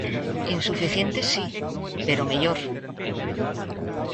Insuficiente si, pero mellor.